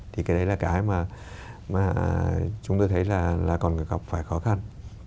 thì cái đấy là cái mà chúng tôi thấy là còn gặp phải khó khăn